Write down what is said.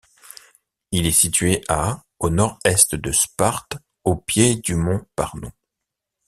Il est situé à au nord-est de Sparte au pied du mont Parnon.